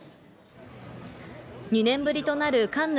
２年ぶりとなるカンヌ